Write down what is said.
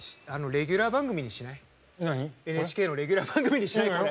ＮＨＫのレギュラー番組にしないかって。